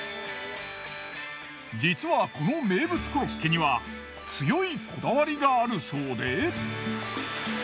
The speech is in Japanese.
実はこの名物コロッケには強いこだわりがあるそうで。